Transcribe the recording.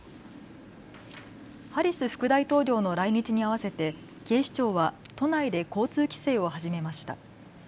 ハリス大統領の来日に合わせて警視庁は都内で交通規制を始めました。